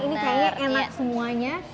ini kayaknya enak semuanya